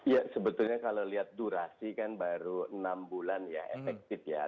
ya sebetulnya kalau lihat durasi kan baru enam bulan ya efektif ya